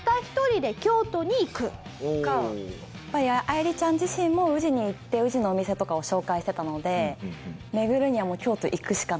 愛理ちゃん自身も宇治に行って宇治のお店とかを紹介してたので巡るにはもう京都行くしかないっていう事で。